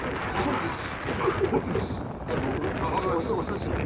じゃあ僕もおすしで。